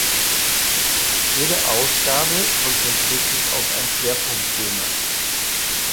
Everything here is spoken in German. Jede Ausgabe konzentriert sich auf ein Schwerpunktthema.